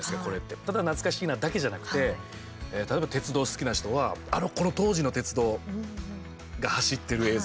ただ懐かしいなだけじゃなくて例えば鉄道好きな人はこの当時の鉄道が走ってる映像